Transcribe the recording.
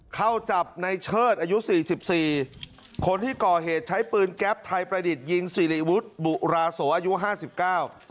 เข้าจับในเชิดอายุสี่สิบสี่คนที่ก่อเหตุใช้ปืนแก๊ปไทยประดิษฐ์ยิงสิริวุฒิบุราโสอายุห้าสิบเก้า